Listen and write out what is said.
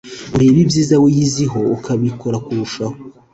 ureba ubyiza wiyiziho ukabikora kurushaho